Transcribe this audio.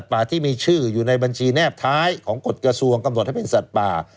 ป่าที่มีชื่ออยู่ในบัญชีแนบท้ายของกฎกระทรวงกำหนดให้เป็นสัตว์ป่า